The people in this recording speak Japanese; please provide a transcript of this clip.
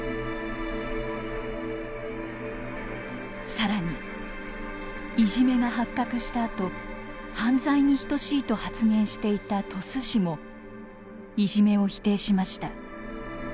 更にいじめが発覚したあと「犯罪に等しい」と発言していた鳥栖市もいじめを否定しました。